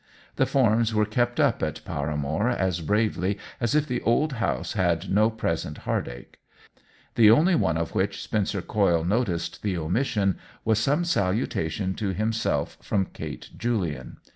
The forms were kept up at Para more as bravely as if the old house had no present heartache. The only one of which Spencer Coyle noticed the omission was some salutation to himself from Kate Julian.